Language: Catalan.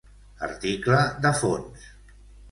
Article de fons.